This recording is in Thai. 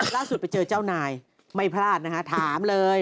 ล่าสุดไปเจอเจ้านายไม่พลาดนะฮะถามเลย